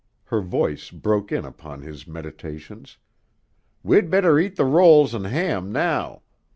Her voice broke in upon his meditations. "We'd better eat the rolls an' ham now.